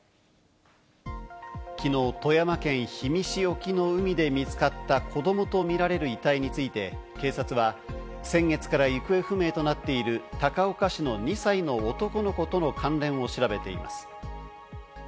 昨日、富山県氷見市沖の海で見つかった子供とみられる遺体について警察は、先月から行方不明となっている高岡市の２歳の男の子との関連を調べています。